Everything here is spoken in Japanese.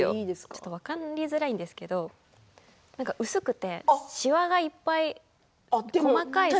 ちょっと分かりづらいんですけれど薄くてしわがいっぱい細かい線が。